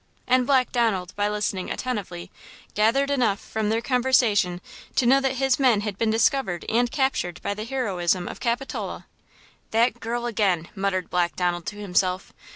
And Black Donald, by listening attentively, gathered enough from their conversation to know that his men had been discovered and captured by the heroism of Capitola. "That girl again!" muttered Black Donald, to himself.